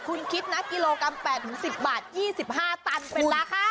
คุณคิดนะกิโลกรัม๘๑๐บาท๒๕ตันเป็นราคา